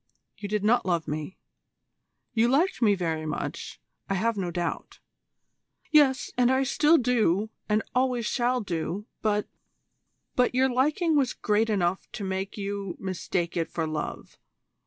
You did not love me. You liked me very much, I have no doubt " "Yes, and so I do still, and always shall do, but " "But your liking was great enough to make you mistake it for love.